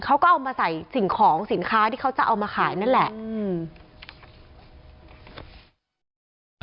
เขาก็เอามาใส่สิ่งของสินค้าที่เขาจะเอามาขายนั่นแหละอืม